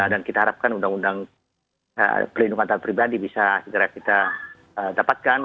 dan kita harapkan undang undang pelindungan data pribadi bisa segera kita dapatkan